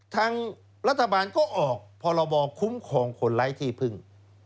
ทางรัฐบาลก็ออกพรบคุ้มครองคนไร้ที่พึ่ง